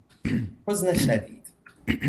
حزن شدید